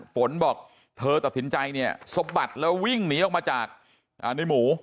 บอกเธอตัดสินใจเนี่ยสะบัดแล้ววิ่งหนีออกมาจากในหมู